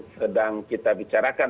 sedang kita bicarakan